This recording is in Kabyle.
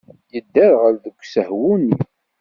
Yedderɣel deg usehwu-nni.